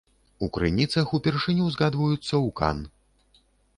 У крыніцах упершыню згадваюцца ў кан.